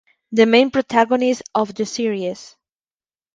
The main protagonist of the series.